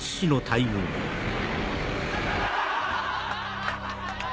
ハハハハハ！